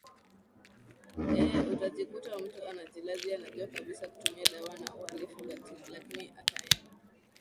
eeh utajikuta mtu anajilazi anajua kabisa kutumia dawa ni uhalifu lakini ataenda